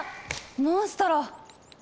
モンストロ。